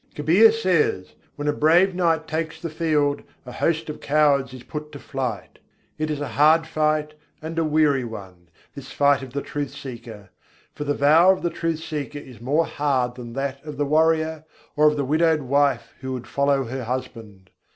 Kabîr says: "When a brave knight takes the field, a host of cowards is put to flight. It is a hard fight and a weary one, this fight of the truth seeker: for the vow of the truth seeker is more hard than that of the warrior, or of the widowed wife who would follow her husband.